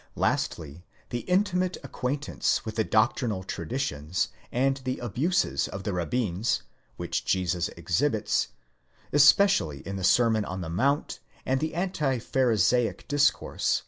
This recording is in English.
Lastly, the intimate acquaintance with the doctrinal traditions, and the abuses of the rabbins, which Jesus ex hibits,® especially in the sermon on the mount and the anti pharisaic discourse 1 Paulus, exeget.